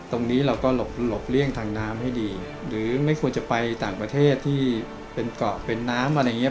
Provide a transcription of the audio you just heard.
ตรงนี้เราก็หลบหลบเลี่ยงทางน้ำให้ดีหรือไม่ควรจะไปต่างประเทศที่เป็นเกาะเป็นน้ำอะไรอย่างเงี้